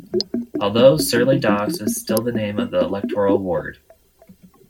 Although "Surrey Docks" is still the name of the electoral ward.